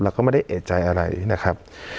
แล้วก็ไม่ได้เอกใจอะไรนะครับ